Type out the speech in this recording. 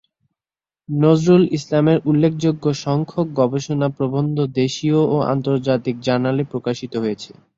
নজরুল ইসলামের উল্লেখযোগ্য সংখ্যক গবেষণা প্রবন্ধ দেশীয় ও আন্তর্জাতিক জার্নালে প্রকাশিত হয়েছে।